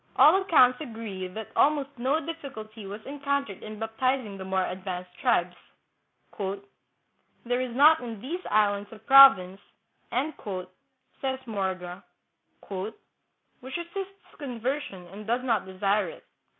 All accounts agree that almost no difficulty was encountered in baptiz ing the more advanced tribes. " There is not in these islands a province," says Morga, " which resists conver sion and does not desire it."